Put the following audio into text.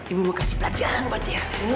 ibu mau kasih pelajaran buat dia